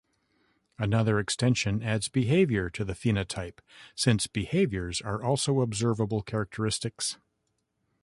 Another extension adds behavior to the phenotype, since behaviors are also observable characteristics.